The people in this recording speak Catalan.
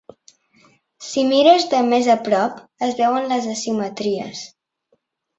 Si mires de més a prop, es veuen les asimetries.